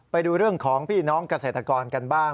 ไปดูเรื่องของพี่น้องเกษตรกรกันบ้าง